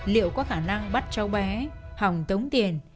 liệu có khả năng bắt cháu bé hòng tống tiền